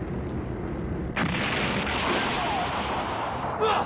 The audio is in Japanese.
うわっ！